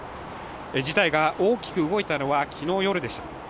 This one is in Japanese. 事態が大きく動いたのは昨日夜でした。